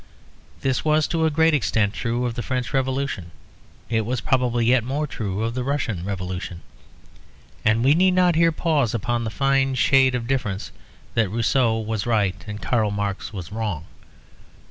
This was to a great extent true of the French Revolution; it was probably yet more true of the Russian Revolution; and we need not here pause upon the fine shade of difference that Rousseau was right and Karl Marx was wrong.